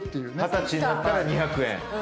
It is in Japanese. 二十歳になったら２００円。